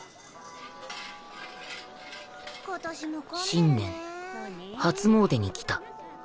新年初詣に来た